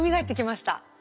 出てきました？